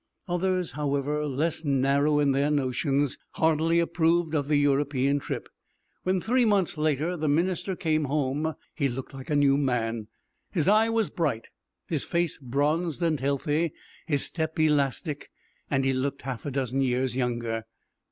Others, however, less narrow in their notions, heartily approved of the European trip. When three months later the minister came home, he looked like a new man. His eye was bright, his face bronzed and healthy, his step elastic, and he looked half a dozen years younger.